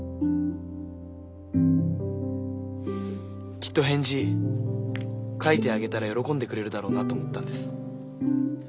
きっと返事書いてあげたら喜んでくれるだろうなと思ったんです。